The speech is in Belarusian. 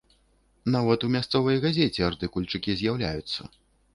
Нават у мясцовай газеце артыкульчыкі з'яўляюцца.